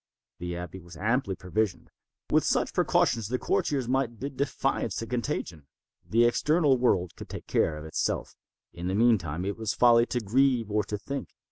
The abbey was amply provisioned. With such precautions the courtiers might bid defiance to contagion. The external world could take care of itself. In the meantime it was folly to grieve, or to think.